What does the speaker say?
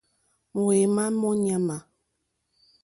Mǒémá mó ɲàmà.